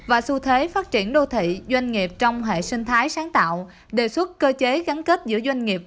và xu thế phát triển đô thị doanh nghiệp trong hệ sinh thái sáng tạo đề xuất cơ chế gắn kết giữa doanh nghiệp